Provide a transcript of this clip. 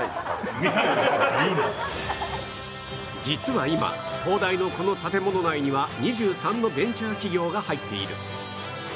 実は今東大のこの建物内には２３のベンチャー企業が入っている